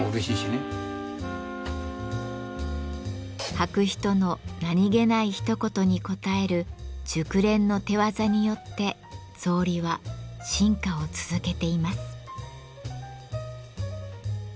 履く人の何気ないひと言に応える熟練の手技によって草履は進化を続けています。